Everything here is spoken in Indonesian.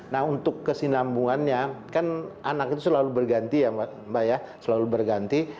nah untuk kesinambungannya kan anak itu selalu berganti ya mbak ya selalu berganti